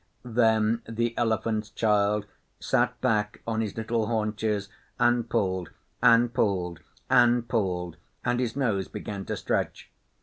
Then the Elephant's Child sat back on his little haunches, and pulled, and pulled, and pulled, and his nose began to stretch.